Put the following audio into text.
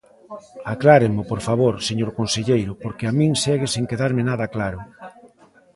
Acláremo, por favor, señor conselleiro, porque a min segue sen quedarme nada claro.